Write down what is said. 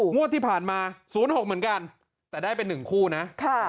งวดที่ผ่านมา๐๖เหมือนกันแต่ได้ไป๑คู่นะ